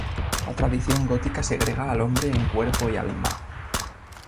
La tradición gótica segrega al hombre en cuerpo y alma.